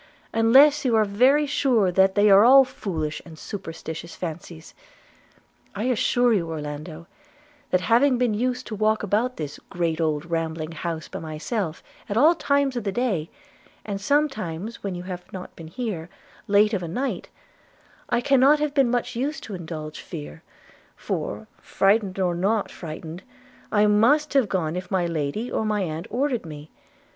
unless you are very sure they are all foolish and superstitious fancies. I assure you, Orlando, that having been used to walk about this great old rambling house by myself, at all times of the day, and sometimes, when you have not been here, late of a night, I cannot have been much used to indulge fear; for, frightened or not frightened, I must have gone if my lady or my aunt had ordered me.